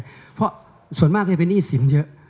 ส่วนมากเขาก็จะเป็นหนี้ศิลป์เยอะ